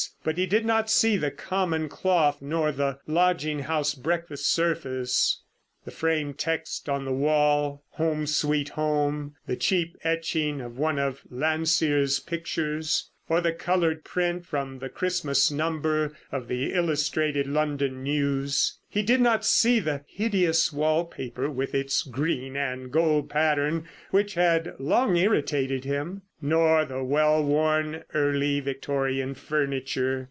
But he did not see the common cloth nor the lodging house breakfast service, the framed text on the wall "Home, Sweet Home," the cheap etching of one of Landseer's pictures, or the coloured print from the Christmas number of the Illustrated London News. He did not see the hideous wallpaper with its green and gold pattern which had long irritated him, nor the well worn Early Victorian furniture.